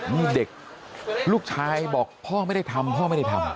นี่เด็กลูกชายบอกพ่อไม่ได้ทำพ่อไม่ได้ทำ